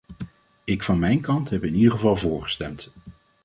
Ik van mijn kant heb in ieder geval voor gestemd.